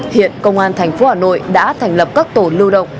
hiện công an thành phố hà nội đã thành lập các tổ lưu động